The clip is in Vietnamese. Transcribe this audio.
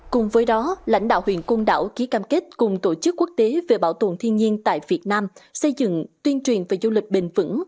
cùng với đó lãnh đạo huyện côn đảo ký cam kết cùng tổ chức quốc tế về bảo tồn thiên nhiên tại việt nam xây dựng tuyên truyền về du lịch bền vững